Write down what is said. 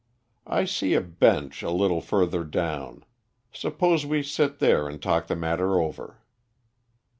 "I see a bench a little further down; suppose we sit there and talk the matter over."